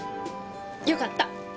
よかった！